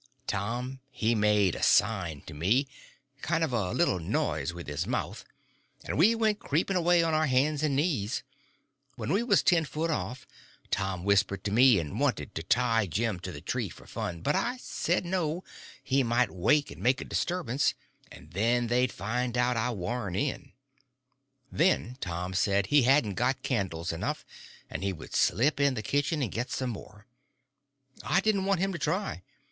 Tom he made a sign to me—kind of a little noise with his mouth—and we went creeping away on our hands and knees. When we was ten foot off Tom whispered to me, and wanted to tie Jim to the tree for fun. But I said no; he might wake and make a disturbance, and then they'd find out I warn't in. Then Tom said he hadn't got candles enough, and he would slip in the kitchen and get some more. I didn't want him to try.